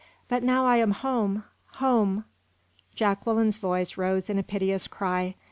But now I am home home! " Jacqueline's voice rose in a piteous cry.